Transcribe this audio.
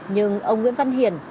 nhưng ông nguyễn văn hiền